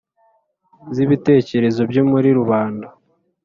z’ibitekerezo byo muri rubanda: